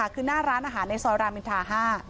คือหน้าร้านอาหารในซอยรามอินทรา๕